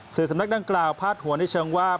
สำนักดังกล่าวพาดหัวในเชิงว่า